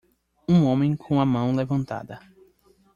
Um homem com a mão levantada.